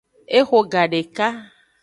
Eho gadeka.